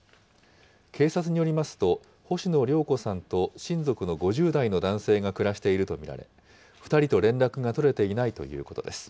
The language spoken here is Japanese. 警察によりますと、星野良子さんと親族の５０代の男性が暮らしていると見られ、２人と連絡が取れていないということです。